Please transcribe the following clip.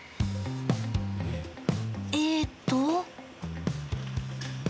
えっと。